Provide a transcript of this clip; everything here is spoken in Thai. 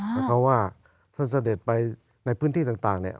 เพราะว่าท่านเสด็จไปในพื้นที่ต่างเนี่ย